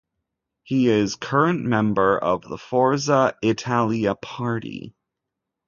He is current member of the Forza Italia party.